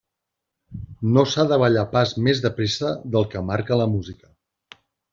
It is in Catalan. No s'ha de ballar pas més de pressa del que marca la música.